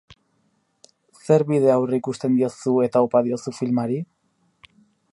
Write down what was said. Zer bide aurreikusten diozu eta opa diozu filmari?